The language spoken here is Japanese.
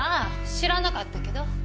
知らなかったけど。